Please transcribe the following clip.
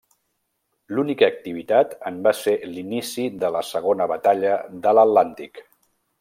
L'única activitat en va ser l'inici de la Segona Batalla de l'Atlàntic.